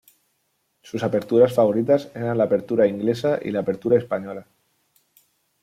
Sus aperturas favoritas eran la Apertura inglesa y la Apertura española.